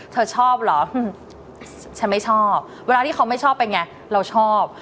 เธอชอบเหรอฉันไม่ชอบเวลาที่เขาไม่ชอบเป็นไงเราชอบ